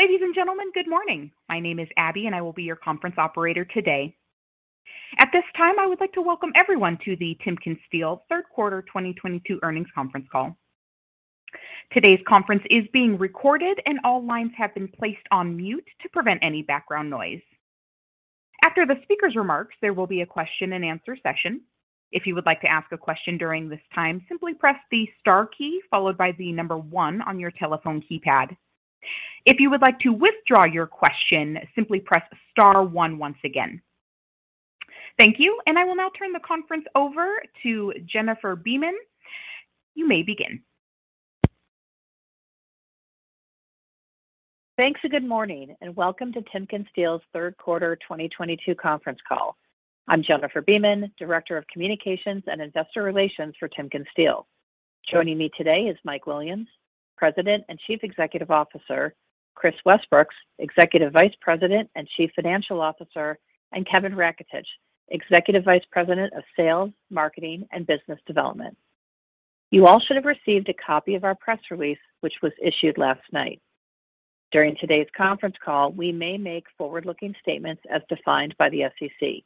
Ladies and gentlemen, good morning. My name is Abby, and I will be your conference operator today. At this time, I would like to welcome everyone to the TimkenSteel Third Quarter 2022 Earnings Conference Call. Today's conference is being recorded, and all lines have been placed on mute to prevent any background noise. After the speaker's remarks, there will be a question-and-answer session. If you would like to ask a question during this time, simply press the star key followed by the number one on your telephone keypad. If you would like to withdraw your question, simply press star one once again. Thank you, and I will now turn the conference over to Jennifer Beeman. You may begin. Thanks. Good morning, and welcome to TimkenSteel's third quarter 2022 conference call. I'm Jennifer Beeman, Director of Communications and Investor Relations for TimkenSteel. Joining me today is Mike Williams, President and Chief Executive Officer, Kris Westbrooks, Executive Vice President and Chief Financial Officer, and Kevin Raketich, Executive Vice President of Sales, Marketing, and Business Development. You all should have received a copy of our press release, which was issued last night. During today's conference call, we may make forward-looking statements as defined by the SEC.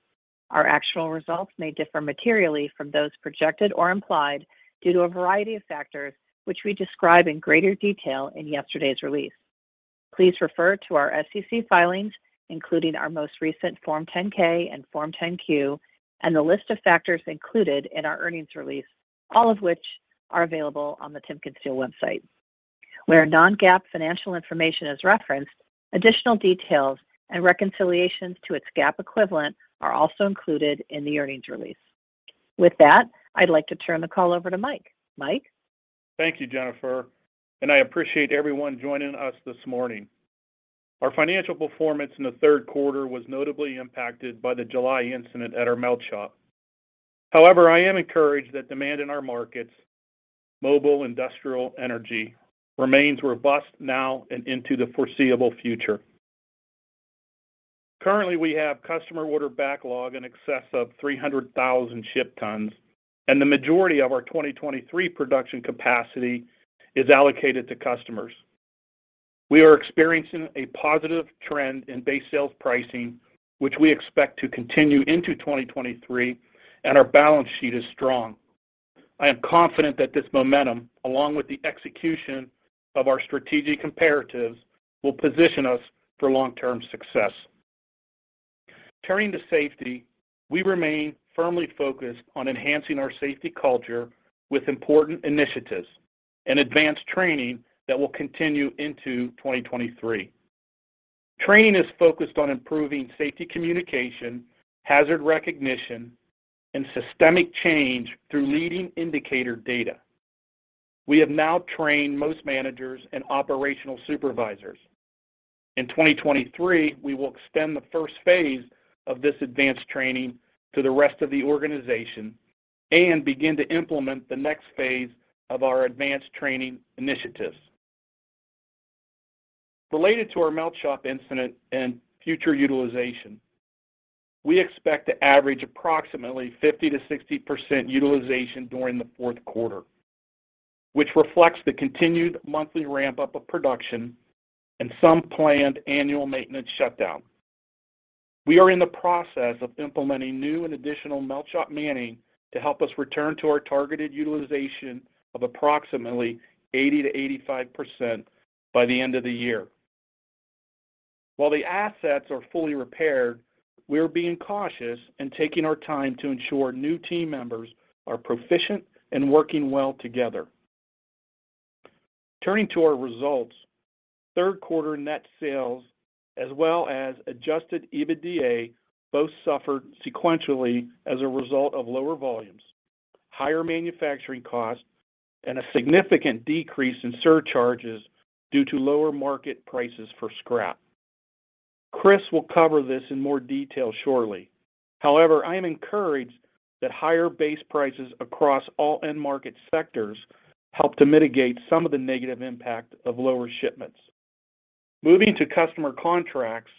Our actual results may differ materially from those projected or implied due to a variety of factors, which we describe in greater detail in yesterday's release. Please refer to our SEC filings, including our most recent Form 10-K and Form 10-Q, and the list of factors included in our earnings release, all of which are available on the TimkenSteel website. Where non-GAAP financial information is referenced, additional details and reconciliations to its GAAP equivalent are also included in the earnings release. With that, I'd like to turn the call over to Mike. Mike? Thank you, Jennifer, and I appreciate everyone joining us this morning. Our financial performance in the third quarter was notably impacted by the July incident at our melt shop. However, I am encouraged that demand in our markets, mobile, industrial, energy, remains robust now and into the foreseeable future. Currently, we have customer order backlog in excess of 300,000 ship tons, and the majority of our 2023 production capacity is allocated to customers. We are experiencing a positive trend in base sales pricing, which we expect to continue into 2023, and our balance sheet is strong. I am confident that this momentum, along with the execution of our strategic imperatives, will position us for long-term success. Turning to safety, we remain firmly focused on enhancing our safety culture with important initiatives and advanced training that will continue into 2023. Training is focused on improving safety communication, hazard recognition, and systemic change through leading indicator data. We have now trained most managers and operational supervisors. In 2023, we will extend the first phase of this advanced training to the rest of the organization and begin to implement the next phase of our advanced training initiatives. Related to our melt shop incident and future utilization, we expect to average approximately 50%-60% utilization during the fourth quarter, which reflects the continued monthly ramp-up of production and some planned annual maintenance shutdown. We are in the process of implementing new and additional melt shop manning to help us return to our targeted utilization of approximately 80%-85% by the end of the year. While the assets are fully repaired, we are being cautious and taking our time to ensure new team members are proficient and working well together. Turning to our results, third quarter net sales as well as adjusted EBITDA both suffered sequentially as a result of lower volumes, higher manufacturing costs, and a significant decrease in surcharges due to lower market prices for scrap. Kris will cover this in more detail shortly. However, I am encouraged that higher base prices across all end market sectors help to mitigate some of the negative impact of lower shipments. Moving to customer contracts,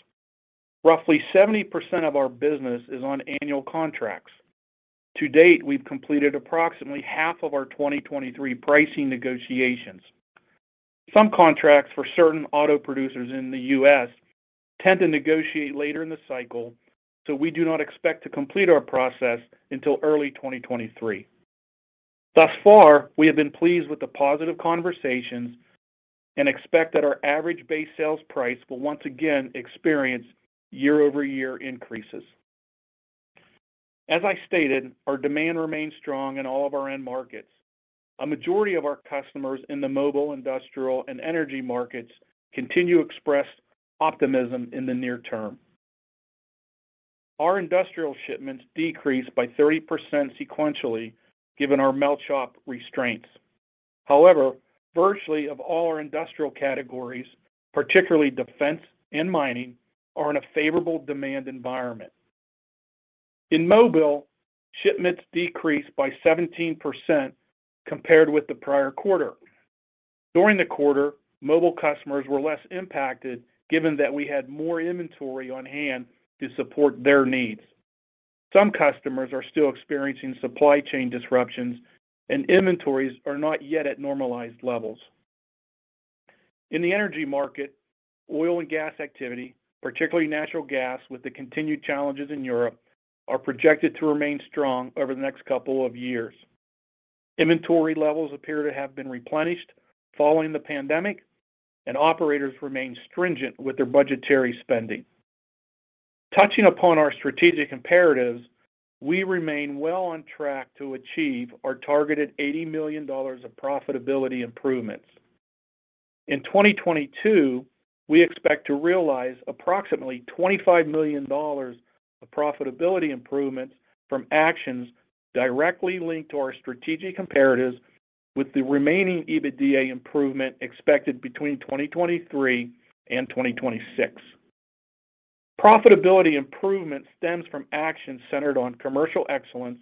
roughly 70% of our business is on annual contracts. To date, we've completed approximately half of our 2023 pricing negotiations. Some contracts for certain auto producers in the U.S. tend to negotiate later in the cycle, so we do not expect to complete our process until early 2023. Thus far, we have been pleased with the positive conversations and expect that our average base sales price will once again experience year-over-year increases. As I stated, our demand remains strong in all of our end markets. A majority of our customers in the mobile, industrial, and energy markets continue to express optimism in the near term. Our industrial shipments decreased by 30% sequentially, given our melt shop restraints. However, virtually all of our industrial categories, particularly defense and mining, are in a favorable demand environment. In mobile, shipments decreased by 17% compared with the prior quarter. During the quarter, mobile customers were less impacted given that we had more inventory on hand to support their needs. Some customers are still experiencing supply chain disruptions, and inventories are not yet at normalized levels. In the energy market, oil and gas activity, particularly natural gas with the continued challenges in Europe, are projected to remain strong over the next couple of years. Inventory levels appear to have been replenished following the pandemic, and operators remain stringent with their budgetary spending. Touching upon our strategic imperatives, we remain well on track to achieve our targeted $80 million of profitability improvements. In 2022, we expect to realize approximately $25 million of profitability improvements from actions directly linked to our strategic imperatives with the remaining EBITDA improvement expected between 2023 and 2026. Profitability improvement stems from actions centered on commercial excellence,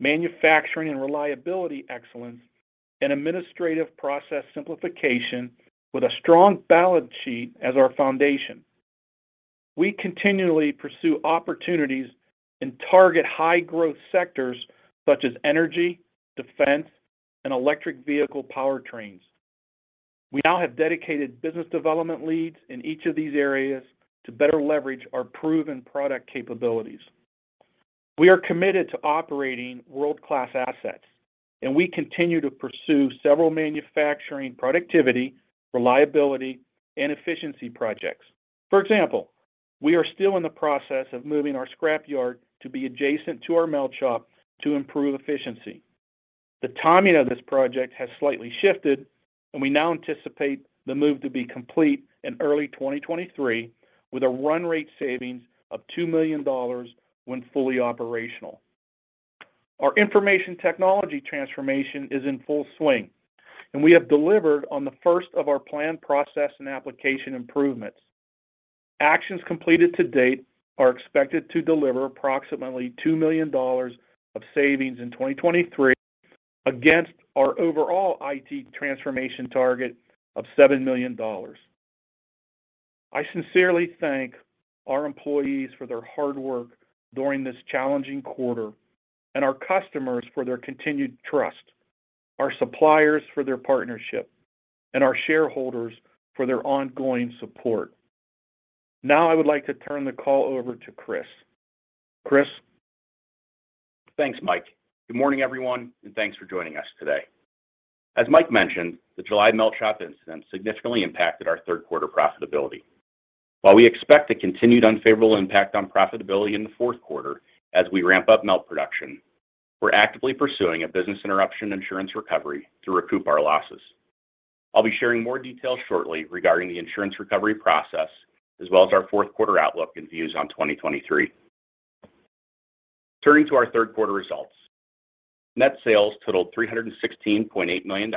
manufacturing and reliability excellence, and administrative process simplification with a strong balance sheet as our foundation. We continually pursue opportunities and target high growth sectors such as energy, defense, and electric vehicle powertrains. We now have dedicated business development leads in each of these areas to better leverage our proven product capabilities. We are committed to operating world-class assets, and we continue to pursue several manufacturing productivity, reliability, and efficiency projects. For example, we are still in the process of moving our scrap yard to be adjacent to our melt shop to improve efficiency. The timing of this project has slightly shifted, and we now anticipate the move to be complete in early 2023 with a run rate savings of $2 million when fully operational. Our information technology transformation is in full swing, and we have delivered on the first of our planned process and application improvements. Actions completed to date are expected to deliver approximately $2 million of savings in 2023 against our overall IT transformation target of $7 million. I sincerely thank our employees for their hard work during this challenging quarter and our customers for their continued trust, our suppliers for their partnership, and our shareholders for their ongoing support. Now I would like to turn the call over to Kris. Kris? Thanks, Mike. Good morning, everyone, and thanks for joining us today. As Mike mentioned, the July melt shop incident significantly impacted our third quarter profitability. While we expect a continued unfavorable impact on profitability in the fourth quarter as we ramp up melt production, we're actively pursuing a business interruption insurance recovery to recoup our losses. I'll be sharing more details shortly regarding the insurance recovery process as well as our fourth quarter outlook and views on 2023. Turning to our third quarter results. Net sales totaled $316.8 million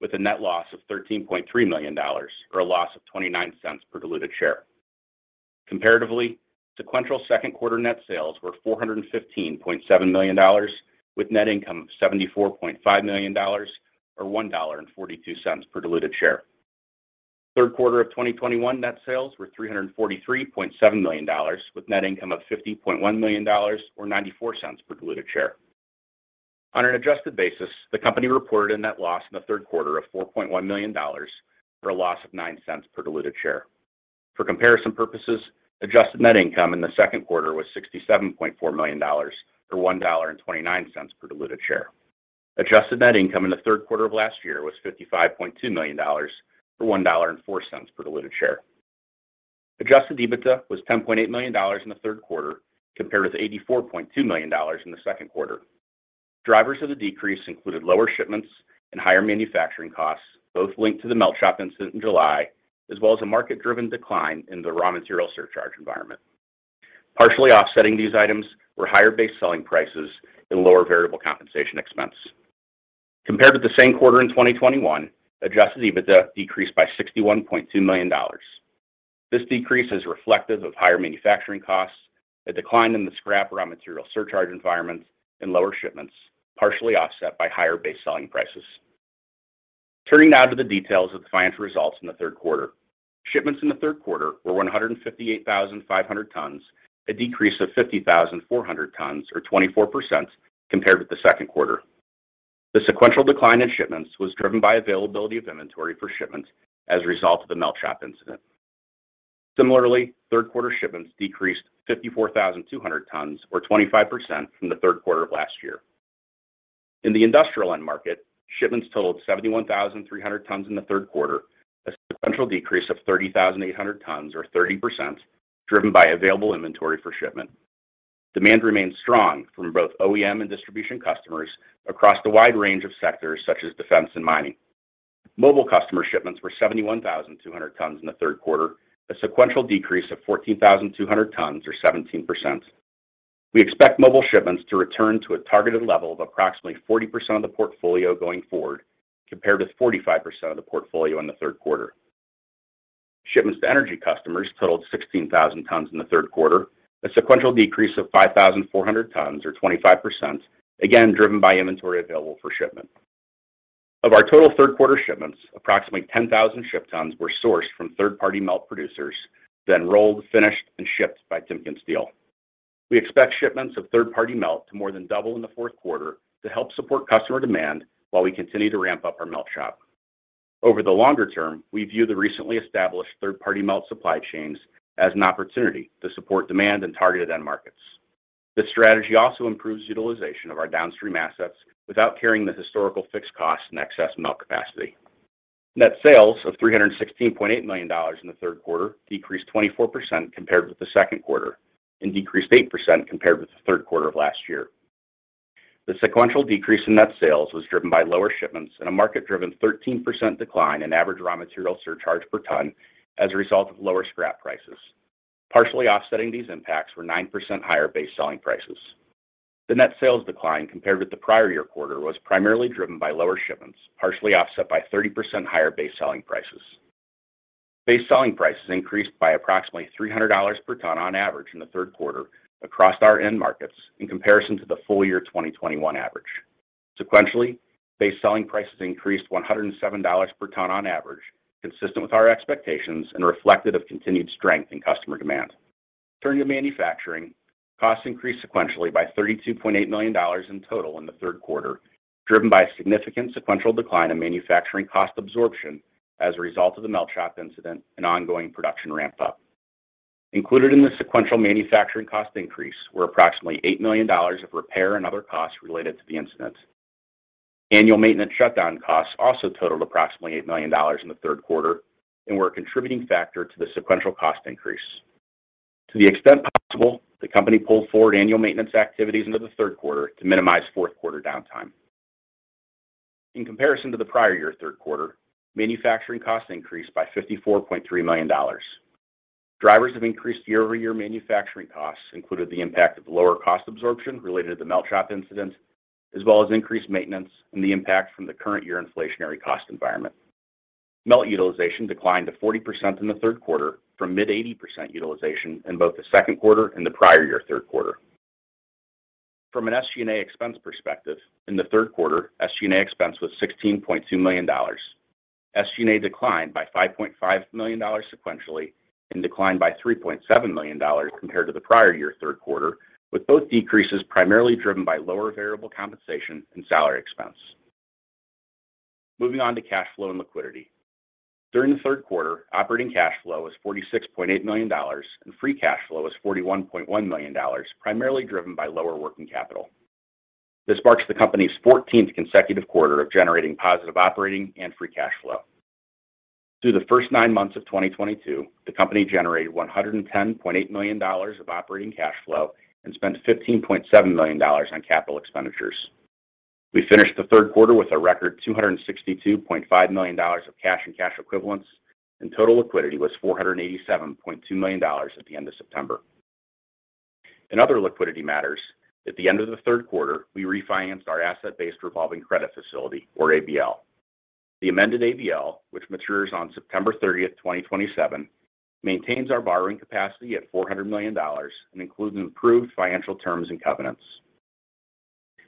with a net loss of $13.3 million or a loss of $0.29 per diluted share. Comparatively, sequential second quarter net sales were $415.7 million with net income of $74.5 million or $1.42 per diluted share. Third quarter of 2021 net sales were $343.7 million with net income of $50.1 million or $0.94 per diluted share. On an adjusted basis, the company reported a net loss in the third quarter of $4.1 million or a loss of $0.09 per diluted share. For comparison purposes, adjusted net income in the second quarter was $67.4 million or $1.29 per diluted share. Adjusted net income in the third quarter of last year was $55.2 million or $1.04 per diluted share. Adjusted EBITDA was $10.8 million in the third quarter compared with $84.2 million in the second quarter. Drivers of the decrease included lower shipments and higher manufacturing costs, both linked to the melt shop incident in July, as well as a market-driven decline in the raw material surcharge environment. Partially offsetting these items were higher base selling prices and lower variable compensation expense. Compared to the same quarter in 2021, adjusted EBITDA decreased by $61.2 million. This decrease is reflective of higher manufacturing costs, a decline in the scrap raw material surcharge environments, and lower shipments, partially offset by higher base selling prices. Turning now to the details of the financial results in the third quarter. Shipments in the third quarter were 158,500 tons, a decrease of 50,400 tons or 24% compared with the second quarter. The sequential decline in shipments was driven by availability of inventory for shipment as a result of the melt shop incident. Similarly, third quarter shipments decreased 54,200 tons or 25% from the third quarter of last year. In the industrial end market, shipments totaled 71,300 tons in the third quarter, a sequential decrease of 30,800 tons or 30% driven by available inventory for shipment. Demand remains strong from both OEM and distribution customers across the wide range of sectors such as defense and mining. Mobile customer shipments were 71,200 tons in the third quarter, a sequential decrease of 14,200 tons or 17%. We expect mobile shipments to return to a targeted level of approximately 40% of the portfolio going forward compared with 45% of the portfolio in the third quarter. Shipments to energy customers totaled 16,000 tons in the third quarter, a sequential decrease of 5,400 tons or 25%, again, driven by inventory available for shipment. Of our total third quarter shipments, approximately 10,000 short tons were sourced from third-party melt producers, then rolled, finished, and shipped by TimkenSteel. We expect shipments of third-party melt to more than double in the fourth quarter to help support customer demand while we continue to ramp up our melt shop. Over the longer term, we view the recently established third-party melt supply chains as an opportunity to support demand and target end markets. This strategy also improves utilization of our downstream assets without carrying the historical fixed cost and excess melt capacity. Net sales of $316.8 million in the third quarter decreased 24% compared with the second quarter, and decreased 8% compared with the third quarter of last year. The sequential decrease in net sales was driven by lower shipments and a market-driven 13% decline in average raw material surcharge per ton as a result of lower scrap prices. Partially offsetting these impacts were 9% higher base selling prices. The net sales decline compared with the prior year quarter was primarily driven by lower shipments, partially offset by 30% higher base selling prices. Base selling prices increased by approximately $300 per ton on average in the third quarter across our end markets in comparison to the full year 2021 average. Sequentially, base selling prices increased $107 per ton on average, consistent with our expectations and reflective of continued strength in customer demand. Turning to manufacturing, costs increased sequentially by $32.8 million in total in the third quarter, driven by a significant sequential decline in manufacturing cost absorption as a result of the melt shop incident and ongoing production ramp up. Included in the sequential manufacturing cost increase were approximately $8 million of repair and other costs related to the incident. Annual maintenance shutdown costs also totaled approximately $8 million in the third quarter and were a contributing factor to the sequential cost increase. To the extent possible, the company pulled forward annual maintenance activities into the third quarter to minimize fourth quarter downtime. In comparison to the prior year third quarter, manufacturing costs increased by $54.3 million. Drivers have increased year-over-year manufacturing costs included the impact of lower cost absorption related to the melt shop incidents, as well as increased maintenance and the impact from the current year inflationary cost environment. Melt utilization declined to 40% in the third quarter from mid-80% utilization in both the second quarter and the prior year third quarter. From an SG&A expense perspective, in the third quarter, SG&A expense was $16.2 million. SG&A declined by $5.5 million sequentially and declined by $3.7 million compared to the prior year third quarter, with both decreases primarily driven by lower variable compensation and salary expense. Moving on to cash flow and liquidity. During the third quarter, operating cash flow was $46.8 million, and free cash flow was $41.1 million, primarily driven by lower working capital. This marks the company's 14th consecutive quarter of generating positive operating and free cash flow. Through the first nine months of 2022, the company generated $110.8 million of operating cash flow and spent $15.7 million on capital expenditures. We finished the third quarter with a record $262.5 million of cash and cash equivalents, and total liquidity was $487.2 million at the end of September. In other liquidity matters, at the end of the third quarter, we refinanced our asset-based revolving credit facility or ABL. The amended ABL, which matures on September 30, 2027, maintains our borrowing capacity at $400 million and includes improved financial terms and covenants.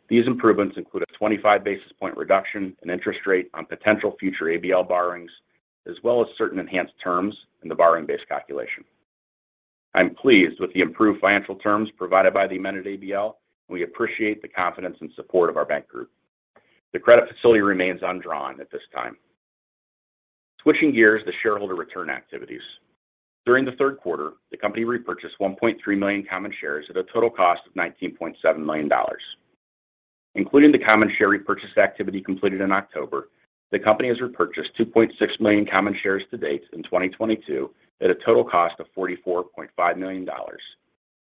These improvements include a 25 basis point reduction in interest rate on potential future ABL borrowings, as well as certain enhanced terms in the borrowing-based calculation. I'm pleased with the improved financial terms provided by the amended ABL. We appreciate the confidence and support of our bank group. The credit facility remains undrawn at this time. Switching gears to shareholder return activities. During the third quarter, the company repurchased 1.3 million common shares at a total cost of $19.7 million. Including the common share repurchase activity completed in October, the company has repurchased 2.6 million common shares to date in 2022 at a total cost of $44.5 million,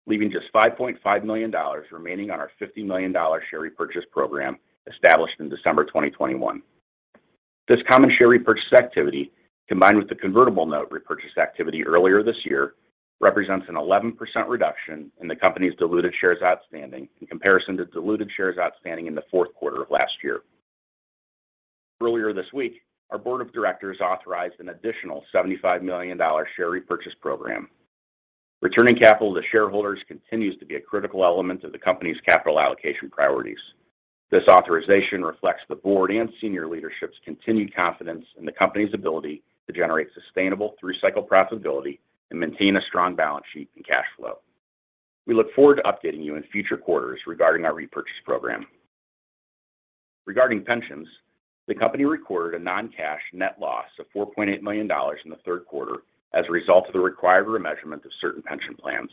leaving just $5.5 million remaining on our $50 million share repurchase program established in December 2021. This common share repurchase activity, combined with the convertible note repurchase activity earlier this year, represents an 11% reduction in the company's diluted shares outstanding in comparison to diluted shares outstanding in the fourth quarter of last year. Earlier this week, our board of directors authorized an additional $75 million share repurchase program. Returning capital to shareholders continues to be a critical element of the company's capital allocation priorities. This authorization reflects the board and senior leadership's continued confidence in the company's ability to generate sustainable through-cycle profitability and maintain a strong balance sheet and cash flow. We look forward to updating you in future quarters regarding our repurchase program. Regarding pensions, the company recorded a non-cash net loss of $4.8 million in the third quarter as a result of the required remeasurement of certain pension plans.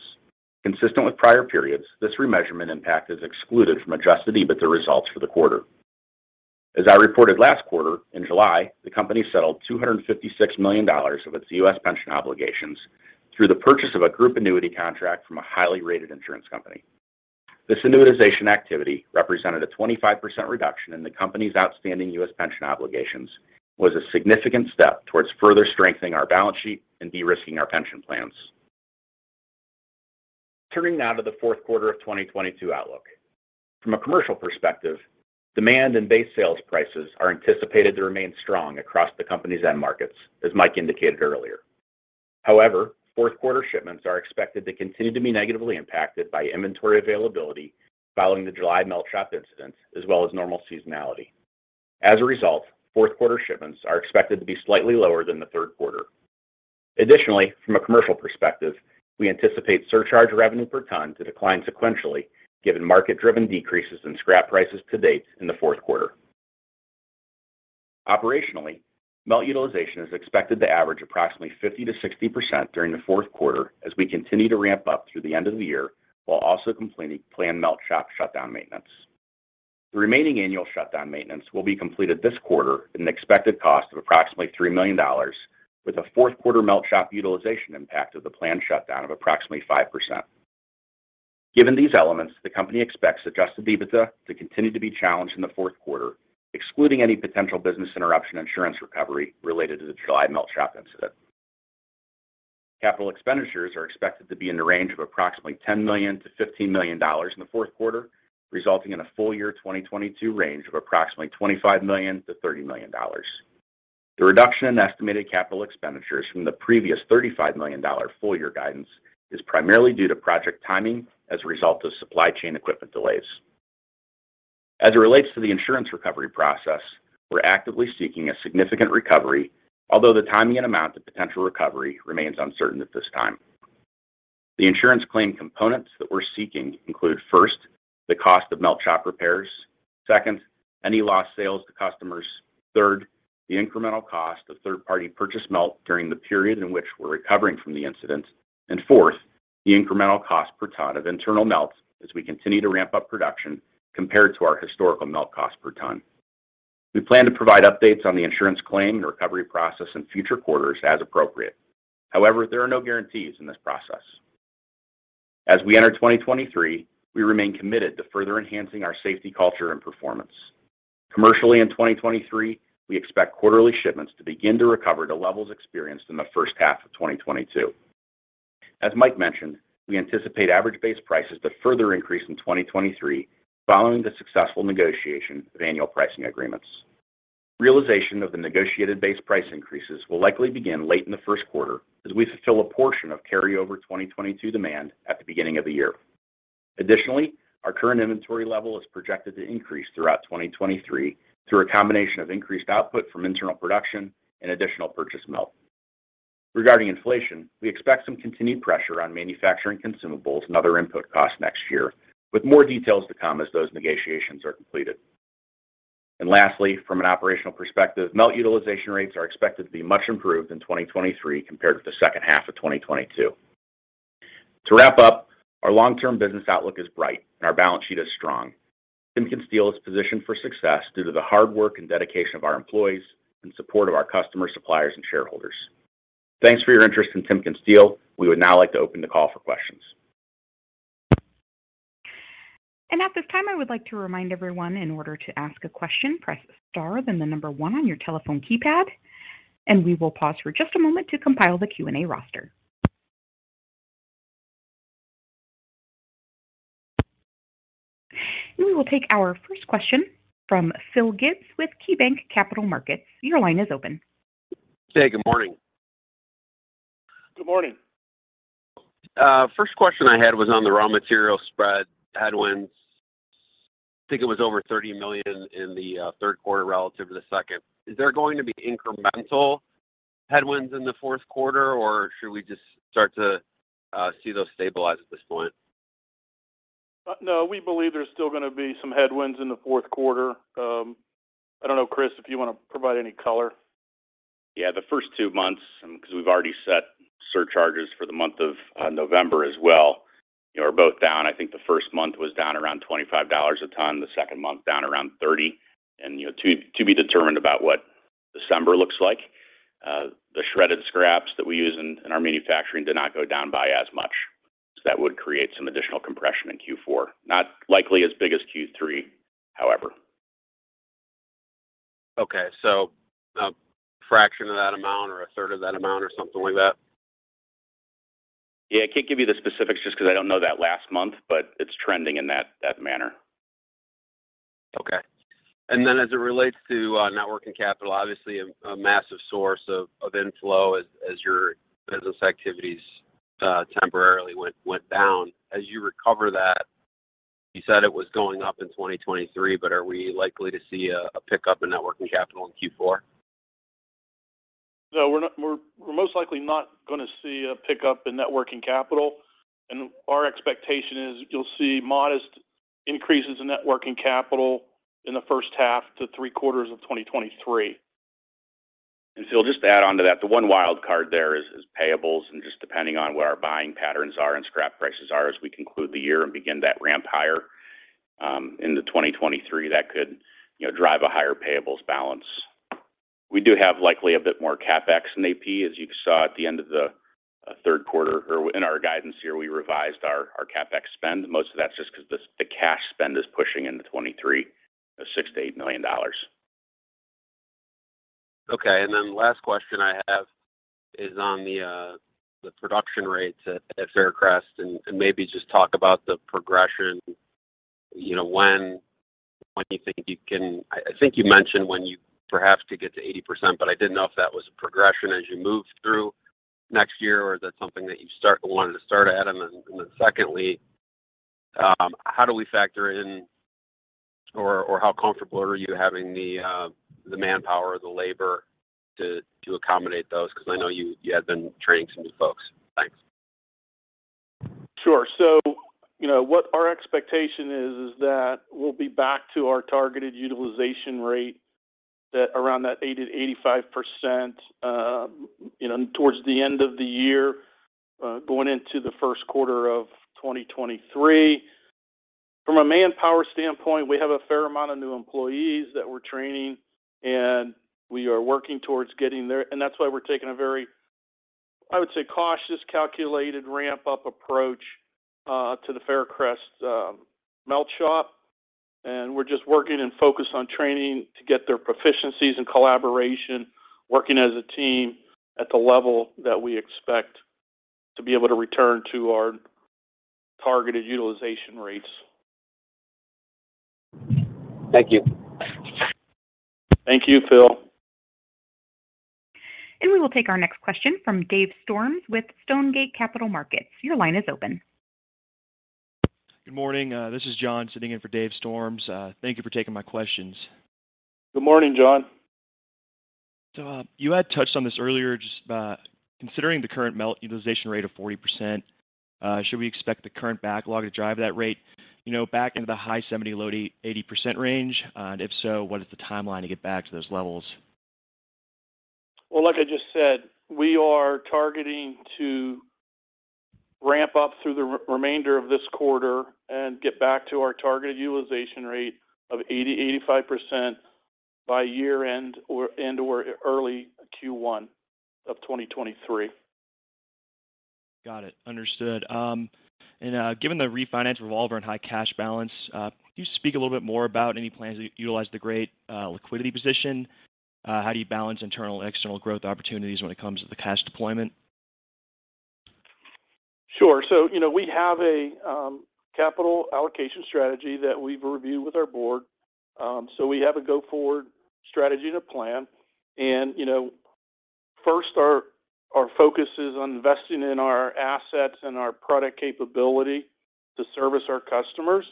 Consistent with prior periods, this remeasurement impact is excluded from adjusted EBITDA results for the quarter. As I reported last quarter, in July, the company settled $256 million of its U.S. pension obligations through the purchase of a group annuity contract from a highly rated insurance company. This annuitization activity represented a 25% reduction in the company's outstanding U.S. pension obligations, and was a significant step towards further strengthening our balance sheet and de-risking our pension plans. Turning now to the fourth quarter of 2022 outlook. From a commercial perspective, demand and base sales prices are anticipated to remain strong across the company's end markets, as Mike indicated earlier. However, fourth quarter shipments are expected to continue to be negatively impacted by inventory availability following the July melt shop incident, as well as normal seasonality. As a result, fourth quarter shipments are expected to be slightly lower than the third quarter. Additionally, from a commercial perspective, we anticipate surcharge revenue per ton to decline sequentially, given market-driven decreases in scrap prices to date in the fourth quarter. Operationally, melt utilization is expected to average approximately 50%-60% during the fourth quarter as we continue to ramp up through the end of the year, while also completing planned melt shop shutdown maintenance. The remaining annual shutdown maintenance will be completed this quarter at an expected cost of approximately $3 million, with a fourth quarter melt shop utilization impact of the planned shutdown of approximately 5%. Given these elements, the company expects adjusted EBITDA to continue to be challenged in the fourth quarter, excluding any potential business interruption insurance recovery related to the July melt shop incident. Capital expenditures are expected to be in the range of approximately $10 million-$15 million in the fourth quarter, resulting in a full year 2022 range of approximately $25 million-$30 million. The reduction in estimated capital expenditures from the previous $35 million full year guidance is primarily due to project timing as a result of supply chain equipment delays. As it relates to the insurance recovery process, we're actively seeking a significant recovery, although the timing and amount of potential recovery remains uncertain at this time. The insurance claim components that we're seeking include, first, the cost of melt shop repairs. Second, any lost sales to customers. Third, the incremental cost of third-party purchased melt during the period in which we're recovering from the incident. Fourth, the incremental cost per ton of internal melt as we continue to ramp up production compared to our historical melt cost per ton. We plan to provide updates on the insurance claim and recovery process in future quarters as appropriate. However, there are no guarantees in this process. As we enter 2023, we remain committed to further enhancing our safety culture and performance. Commercially in 2023, we expect quarterly shipments to begin to recover to levels experienced in the H1 of 2022. As Mike mentioned, we anticipate average base prices to further increase in 2023 following the successful negotiation of annual pricing agreements. Realization of the negotiated base price increases will likely begin late in the first quarter as we fulfill a portion of carryover 2022 demand at the beginning of the year. Additionally, our current inventory level is projected to increase throughout 2023 through a combination of increased output from internal production and additional purchased melt. Regarding inflation, we expect some continued pressure on manufacturing consumables and other input costs next year, with more details to come as those negotiations are completed. Lastly, from an operational perspective, melt utilization rates are expected to be much improved in 2023 compared with the H2 of 2022. To wrap up, our long-term business outlook is bright and our balance sheet is strong. TimkenSteel is positioned for success due to the hard work and dedication of our employees and support of our customers, suppliers, and shareholders. Thanks for your interest in TimkenSteel. We would now like to open the call for questions. At this time, I would like to remind everyone in order to ask a question, press star, then the number one on your telephone keypad, and we will pause for just a moment to compile the Q&A roster. We will take our first question from Philip Gibbs with KeyBanc Capital Markets. Your line is open. Hey, good morning. Good morning. First question I had was on the raw material spread headwinds. I think it was over $30 million in the third quarter relative to the second. Is there going to be incremental headwinds in the fourth quarter, or should we just start to see those stabilize at this point? No, we believe there's still gonna be some headwinds in the fourth quarter. I don't know, Kris, if you want to provide any color. Yeah, the first two months, and because we've already set surcharges for the month of November as well, you know, are both down. I think the first month was down around $25 a ton, the second month down around $30, and, you know, to be determined about what December looks like. The shredded scraps that we use in our manufacturing did not go down by as much. So that would create some additional compression in Q4. Not likely as big as Q3, however. Okay. A fraction of that amount or a third of that amount or something like that? Yeah, I can't give you the specifics just because I don't know that last month, but it's trending in that manner. Okay. As it relates to net working capital, obviously a massive source of inflow as your business activities temporarily went down. As you recover that, you said it was going up in 2023, but are we likely to see a pickup in net working capital in Q4? No, we're most likely not gonna see a pickup in net working capital, and our expectation is you'll see modest increases in net working capital in the H1 to three-quarters of 2023. Phil, just to add onto that, the one wild card there is payables, and just depending on where our buying patterns are and scrap prices are as we conclude the year and begin that ramp higher into 2023. That could drive a higher payables balance. We do have likely a bit more CapEx than AP, as you saw at the end of the third quarter or in our guidance year. We revised our CapEx spend. Most of that's just because the cash spend is pushing into 2023, the $6-$8 million. Okay, last question I have is on the production rates at Faircrest, and maybe just talk about the progression, you know, when you think you can. I think you mentioned when you perhaps could get to 80%, but I didn't know if that was a progression as you move through next year or is that something that you wanted to start at? Secondly, how do we factor in or how comfortable are you having the manpower or the labor to accommodate those? 'Cause I know you had been training some new folks. Thanks. Sure. You know, what our expectation is that we'll be back to our targeted utilization rate that, around that 80%-85%, you know, towards the end of the year, going into the first quarter of 2023. From a manpower standpoint, we have a fair amount of new employees that we're training, and we are working towards getting there. That's why we're taking a very, I would say, cautious, calculated ramp-up approach, to the Faircrest melt shop. We're just working and focused on training to get their proficiencies and collaboration working as a team at the level that we expect to be able to return to our targeted utilization rates. Thank you. Thank you, Phil. We will take our next question from Dave Storms with Stonegate Capital Markets. Your line is open. Good morning. This is John sitting in for Dave Storms. Thank you for taking my questions. Good morning, John. You had touched on this earlier just, considering the current melt utilization rate of 40%, should we expect the current backlog to drive that rate, you know, back into the high 70, low 80% range? If so, what is the timeline to get back to those levels? Well, like I just said, we are targeting to ramp up through the remainder of this quarter and get back to our targeted utilization rate of 80%-85% by year-end or early Q1 of 2023. Got it. Understood. Given the refinance revolver and high cash balance, can you speak a little bit more about any plans to utilize the great liquidity position? How do you balance internal and external growth opportunities when it comes to the cash deployment? Sure. You know, we have a capital allocation strategy that we've reviewed with our board. We have a go-forward strategy and a plan. You know, first, our focus is on investing in our assets and our product capability to service our customers.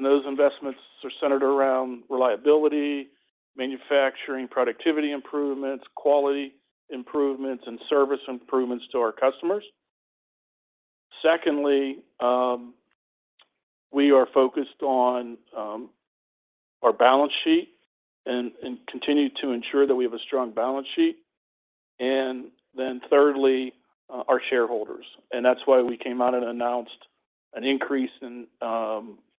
Those investments are centered around reliability, manufacturing, productivity improvements, quality improvements, and service improvements to our customers. Secondly, we are focused on our balance sheet and continue to ensure that we have a strong balance sheet. Then thirdly, our shareholders, and that's why we came out and announced an increase in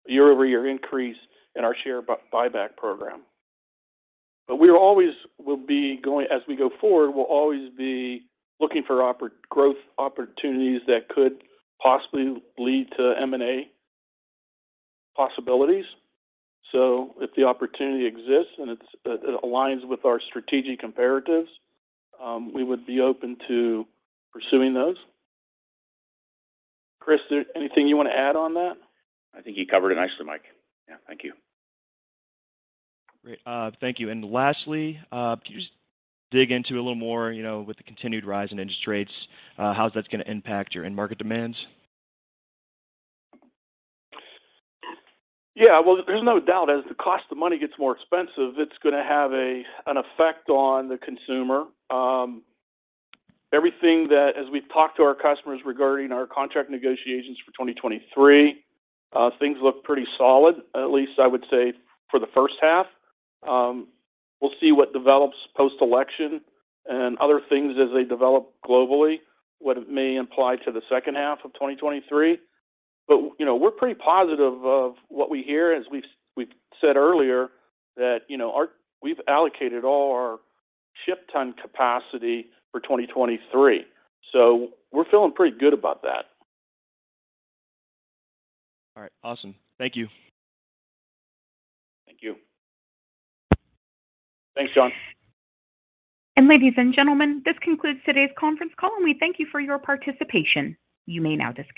year-over-year increase in our share buyback program. We always will be going. As we go forward, we'll always be looking for growth opportunities that could possibly lead to M&A possibilities. If the opportunity exists and it aligns with our strategic imperatives, we would be open to pursuing those. Kris, is there anything you wanna add on that? I think you covered it nicely, Mike. Yeah. Thank you. Great. Thank you. Lastly, can you just dig into a little more, you know, with the continued rise in interest rates, how's that gonna impact your end market demands? Yeah. Well, there's no doubt as the cost of money gets more expensive, it's gonna have an effect on the consumer. Everything that, as we've talked to our customers regarding our contract negotiations for 2023, things look pretty solid, at least I would say for the H1. We'll see what develops post-election and other things as they develop globally, what it may imply to the H2 of 2023. You know, we're pretty positive of what we hear. As we've said earlier that, you know, we've allocated all our ship ton capacity for 2023. We're feeling pretty good about that. All right. Awesome. Thank you. Thank you. Thanks, John. Ladies and gentlemen, this concludes today's conference call, and we thank you for your participation. You may now disconnect.